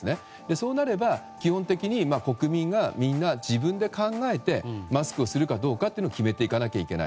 そうなれば、基本的に国民がみんな自分で考えてマスクをするかどうかというのを決めていかないといけない。